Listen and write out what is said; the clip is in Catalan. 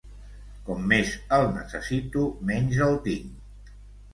Com més el necessito, menys el tinc.